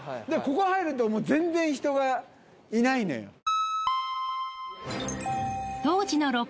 ここへ入るともう全然人がいないのよ。